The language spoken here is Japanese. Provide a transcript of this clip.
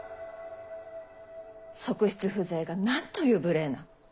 側室風情がなんという無礼な。